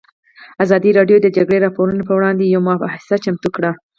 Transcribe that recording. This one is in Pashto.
ازادي راډیو د د جګړې راپورونه پر وړاندې یوه مباحثه چمتو کړې.